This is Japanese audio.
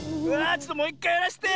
ちょっともういっかいやらせて。